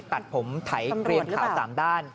ตัดผมไถเกลียนขาว๓ด้าน